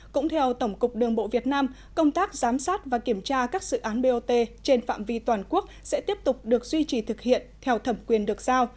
cũng theo tổng cục đường bộ việt nam công tác giám sát và kiểm tra các dự án bot trên phạm vi toàn quốc sẽ tiếp tục được duy trì thực hiện theo thẩm quyền được giao